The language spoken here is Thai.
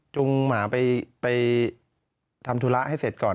จุงหมาไปทำธุระให้เสร็จก่อน